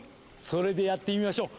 それでやってみましょう。